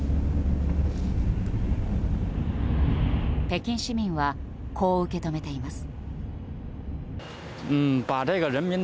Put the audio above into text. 北京市民はこう受け止めています。